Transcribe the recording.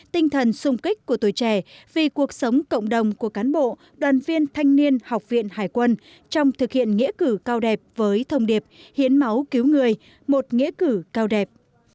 tinh thần sung kích của tuổi trẻ vì cuộc sống cộng đồng của cán bộ đoàn viên thanh niên học viện hải quân trong thực hiện nghĩa cử cao đẹp với thông điệp hiến máu cứu người một nghĩa cử cao đẹp